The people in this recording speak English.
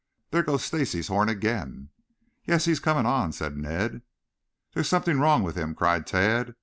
"There goes Stacy's horn again." "Yes, he is coming on," said Ned. "There's something wrong with him," cried Tad.